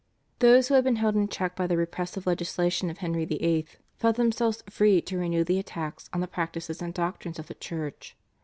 Those who had been held in check by the repressive legislation of Henry VIII. felt themselves free to renew the attacks on the practices and doctrines of the Church.